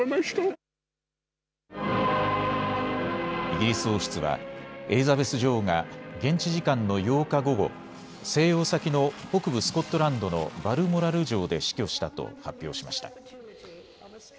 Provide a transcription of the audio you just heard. イギリス王室はエリザベス女王が現地時間の８日午後、静養先の北部スコットランドのバルモラル城で死去したと発表しました。